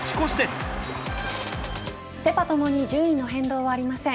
セパともに順位の変動はありません。